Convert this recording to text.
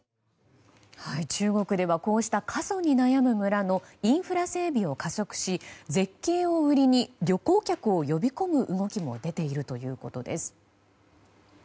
中国ではこうした過疎に悩む村のインフラ整備を加速し絶景を売りに旅行客を呼び込む動きも出ているということです。